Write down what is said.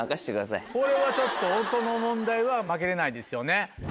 これはちょっと音の問題は負けれないですよね。